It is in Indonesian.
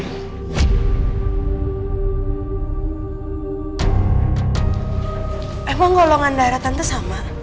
emang golongan darah tante sama